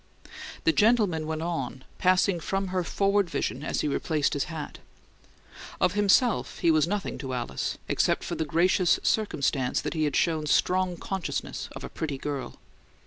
The gentleman went on, passing from her forward vision as he replaced his hat. Of himself he was nothing to Alice, except for the gracious circumstance that he had shown strong consciousness of a pretty girl.